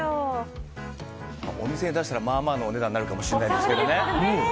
お店で出したらまあまあのお値段になるかもしれないです。